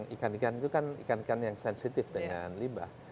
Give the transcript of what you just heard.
ikan ikan itu kan ikan ikan yang sensitif dengan limbah